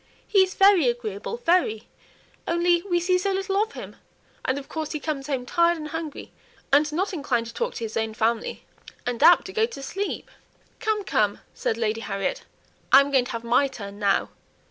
"He is very agreeable, very; only we see so little of him; and of course he comes home tired and hungry, and not inclined to talk to his own family, and apt to go to sleep." "Come, come!" said Lady Harriet, "I'm going to have my turn now.